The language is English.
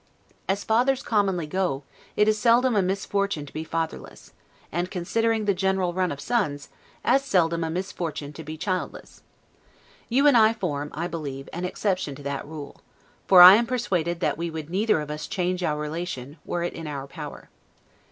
As fathers commonly go, it is seldom a misfortune to be fatherless; and, considering the general run of sons, as seldom a misfortune to be childless. You and I form, I believe, an exception to that rule; for, I am persuaded that we would neither of us change our relation, were it in our power.